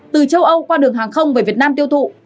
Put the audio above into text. từ châu âu qua đường hàng không về việt nam tiêu thụ